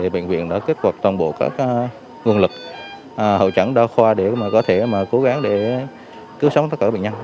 bệnh viện đã kết quả toàn bộ các nguồn lực hậu trẳng đa khoa để cố gắng cứu sống tất cả bệnh nhân